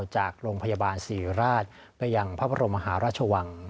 จากโรงพยาบาลศรีราชไปยังพระบรมมหาราชวัง